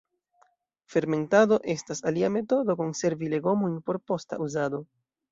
Fermentado estas alia metodo konservi legomojn por posta uzado.